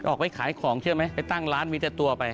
ออกไปขายของเชื่อไหมไปตั้งร้านมีแต่ตัวไป